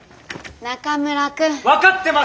中村くん。分かってます！